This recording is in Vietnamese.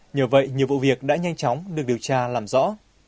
nhờ vậy nhiều vụ việc đã nhanh chóng được điều tra làm rõ